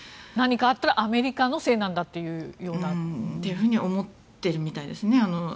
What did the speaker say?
何かあったらアメリカのせいなんだというような。と思ってるみたいです